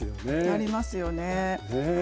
なりますよね。